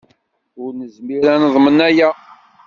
Ur nezmir ad neḍmen aya.